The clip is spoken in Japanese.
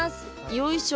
よいしょ。